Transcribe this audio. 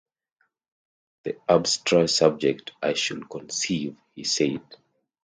‘An abstruse subject, I should conceive,’ he said.